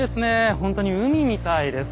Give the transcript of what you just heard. ほんとに海みたいです。